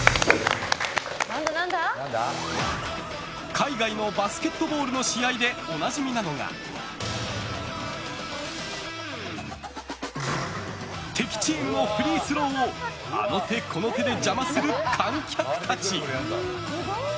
海外のバスケットボールの試合でおなじみなのが敵チームのフリースローをあの手この手で邪魔する観客たち！